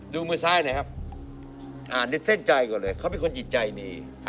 มือซ้ายหน่อยครับอ่านในเส้นใจก่อนเลยเขาเป็นคนจิตใจดี